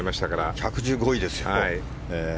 １１５位ですよ。